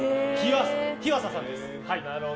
日和佐さんです。